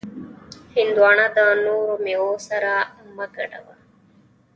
هندوانه د نورو میوو سره مه ګډوه.